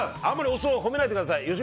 あまりお酢を誉めないでください！